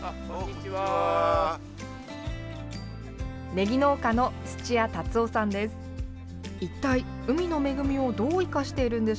ねぎ農家の土屋龍雄さんです。